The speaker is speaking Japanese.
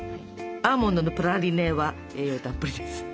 アーモンドのプラリネは栄養たっぷりです。